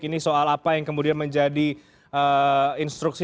ini soal apa yang kemudian menjadi instruksi